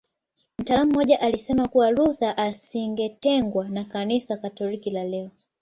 Mtaalamu mmoja alisema kuwa Luther asingetengwa na Kanisa Katoliki la leo